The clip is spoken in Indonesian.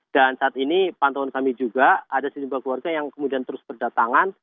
dan saat ini pantauan kami juga ada sejumlah keluarga yang kemudian terus berdatangan